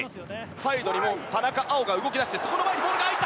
サイドに田中碧が動き出してそこの前にボールが入った！